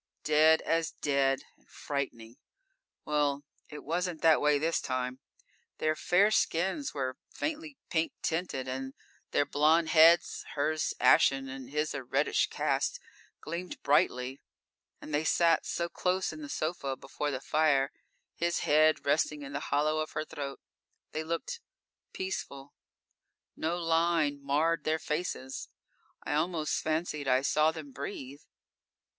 Dead as dead, and frightening. Well, it wasn't that way this time. Their fair skins were faintly pink tinted and their blonde heads, hers ashen and his a reddish cast, gleamed brightly. And they sat so close in the sofa before the fire, his head resting in the hollow of her throat. They looked peaceful; no line marred their faces. I almost fancied I saw them breathe.